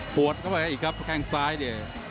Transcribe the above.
ปวดเข้าไปอีกครับแข้งซ้ายเนี่ย